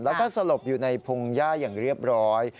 แล้วก็สลบอยู่ในพงหญ้าอย่างเรียบร้อย